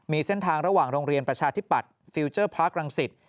มีเส้นทางระหว่างโรงเรียนประชาธิปัตย์ฟิลเจอร์พาร์ครังสิต